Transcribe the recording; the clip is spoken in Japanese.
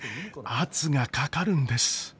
圧がかかるんです。